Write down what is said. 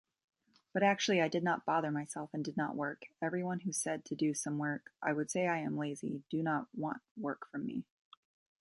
But actually I did not bother myself and did not work, everyone who said to do some work, I would say I am lazy, do not want work from me.